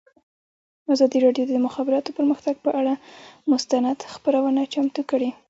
ازادي راډیو د د مخابراتو پرمختګ پر اړه مستند خپرونه چمتو کړې.